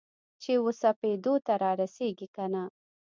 چې وسپېدو ته رارسیږې کنه؟